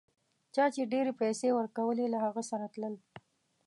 چا چي ډېرې پیسې ورکولې له هغه سره تلل.